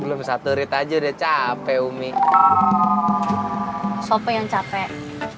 belum satu rit aja deh capek umi soto yang capek